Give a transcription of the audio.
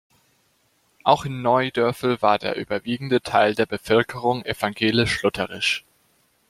Auch in Neudörfel war der überwiegende Teil der Bevölkerung evangelisch-lutherisch.